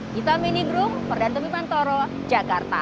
kita mini groom perdana depan toro jakarta